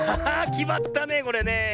きまったねこれねえ。